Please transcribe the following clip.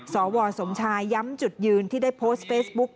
สวสมชายย้ำจุดยืนที่ได้โพสต์เฟซบุ๊ก